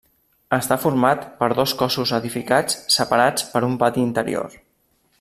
Està format per dos cossos edificats separats per un pati interior.